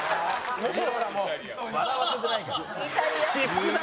笑わせてないから。